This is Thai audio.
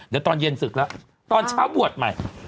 เดี๋ยวตอนเย็นศึกแล้วตอนเช้าบวชใหม่